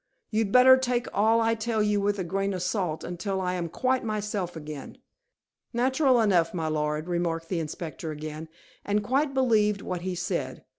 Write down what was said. You'd better take all I tell you with a grain of salt until I am quite myself again." "Natural enough, my lord," remarked the inspector again, and quite believed what he said.